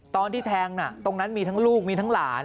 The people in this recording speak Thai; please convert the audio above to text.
ตอนที่แทงตรงนั้นมีทั้งลูกมีทั้งหลาน